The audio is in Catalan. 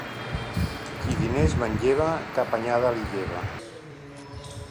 Qui diners manlleva, cap anyada li lleva.